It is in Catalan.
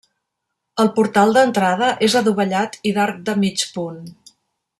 El portal d'entrada és adovellat i d'arc de mig punt.